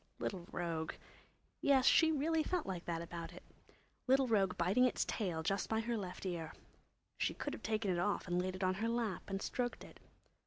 Little rogue! Yes, she really felt like that about it. Little rogue biting its tail just by her left ear. She could have taken it off and laid it on her lap and stroked it.